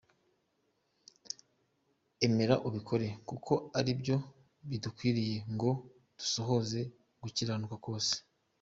Emera ubikore, kuko ari byo bidukwiriye ngo dusohoze gukiranuka kose